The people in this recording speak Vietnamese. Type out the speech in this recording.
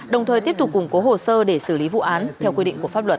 đồng thời tiếp tục củng cố hồ sơ để xử lý vụ án theo quy định của pháp luật